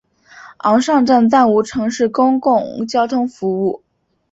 昂尚站暂无城市公共交通服务。